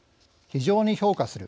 「非常に評価する」